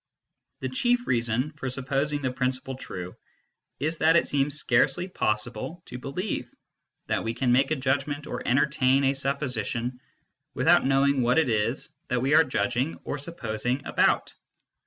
The chief reason for supposing the principle true is that it seems scarcely possible to believe that we can make a judgment or entertain a supposition without knowing what it is that we are judging or supposing about.